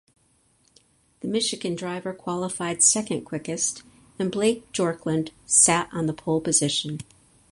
The Michigan driver qualified second quickest and Blake Bjorklund sat on the pole position.